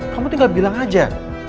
kamu tinggal bilang aja